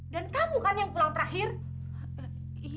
dan kamu kan yang pulang terakhirnya